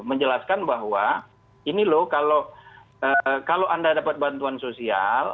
menjelaskan bahwa ini loh kalau anda dapat bantuan sosial